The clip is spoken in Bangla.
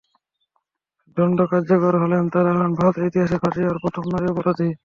দণ্ড কার্যকর হলে তাঁরা হবেন ভারতের ইতিহাসে ফাঁসি হওয়া প্রথম নারী অপরাধী।